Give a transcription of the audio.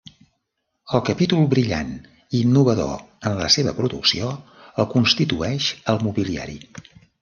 Un capítol brillant i innovador en la seva producció el constitueix el mobiliari.